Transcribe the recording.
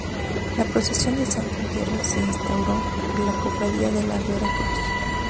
La Procesión del Santo Entierro se instauró por la Cofradía de la Vera Cruz.